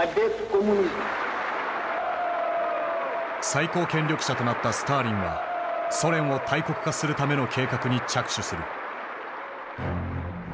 最高権力者となったスターリンはソ連を大国化するための計画に着手する。